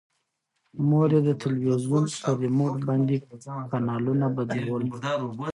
مور یې د تلویزون په ریموټ باندې کانالونه بدلول.